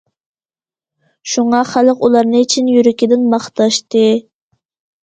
شۇڭا، خەلق ئۇلارنى چىن يۈرىكىدىن ماختاشتى.